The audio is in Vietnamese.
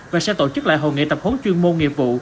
và sẽ tổ chức lại hồ nghị tập hốn chuyên môn nghiệp vụ